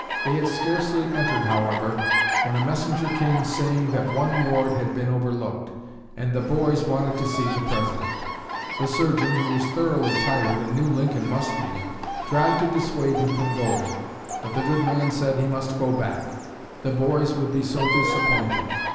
They had scarcely entered, however, when a messenger came saying that one ward had been overlooked, and "the boys" wanted to see the President. The surgeon, who was thoroughly tired, and knew Lincoln must be, tried to dissuade him from going; but the good man said he must go back; "the boys" would be so disappointed.